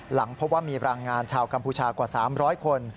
หลังพบว่ามีแรงงานชาวกัมพูชากว่า๓๐๐คน